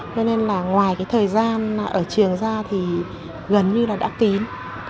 cho nên là ngoài cái thời gian ở trường ra thì gần như là đã kín